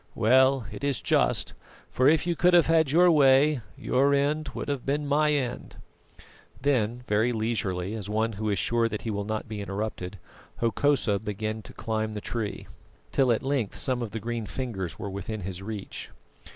Well, it is just; for if you could have had your way, your end would have been my end." Then very leisurely, as one who is sure that he will not be interrupted, Hokosa began to climb the tree, till at length some of the green fingers were within his reach.